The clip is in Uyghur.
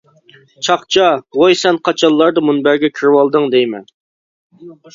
چاقچا. ۋوي سەن قاچانلاردا مۇنبەرگە كىرىۋالدىڭ دەيمەن.